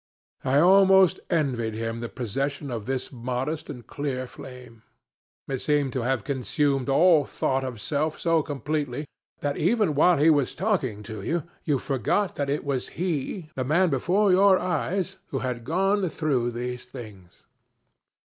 I almost envied him the possession of this modest and clear flame. It seemed to have consumed all thought of self so completely, that, even while he was talking to you, you forgot that it was he the man before your eyes who had gone through these things.